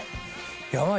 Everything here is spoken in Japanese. やばい。